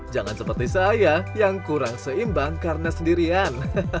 jangan seperti saya yang kurang seimbang karena sendirian